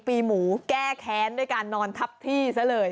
ปีหมูแก้แค้นด้วยการนอนทับที่ซะเลย